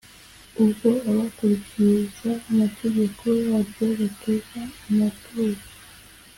ubwo abakurikiza amategeko yaryo batura amaturo